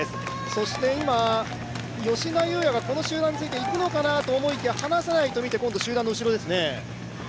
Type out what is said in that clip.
そして今、吉田祐也がこの集団についていくのかと思いきや離せないと見て、今度は集団の後ろですね。